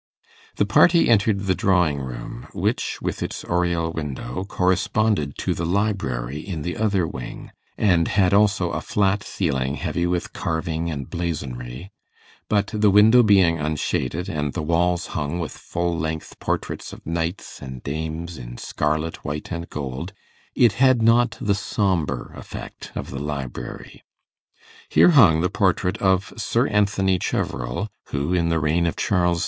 The party entered the drawing room, which, with its oriel window, corresponded to the library in the other wing, and had also a flat ceiling heavy with carving and blazonry; but the window being unshaded, and the walls hung with full length portraits of knights and dames in scarlet, white, and gold, it had not the sombre effect of the library. Here hung the portrait of Sir Anthony Cheverel, who in the reign of Charles II.